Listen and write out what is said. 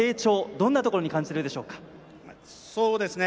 どんなところに感じているでしょうか。